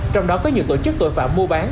trong đó có nhiều tổ chức tội phạm mua bán